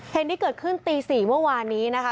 เหตุที่เกิดขึ้นตี๔เมื่อวานนี้นะคะ